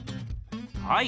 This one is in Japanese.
はい。